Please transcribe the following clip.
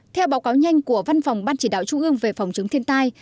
theo báo cáo nhanh của văn phòng ban chỉ đạo trung ương về phòng chống thiên tai